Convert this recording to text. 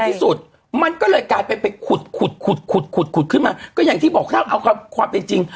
ที่สุดมันก็เลยกลายเป็นไปขุดขุดขุดขุดขึ้นมาก็อย่างที่บอกถ้าเอาความเป็นจริง